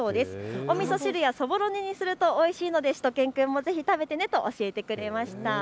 おみそ汁やそぼろ煮にするとおいしいのでしゅと犬くんもぜひ食べてねと教えてくれました。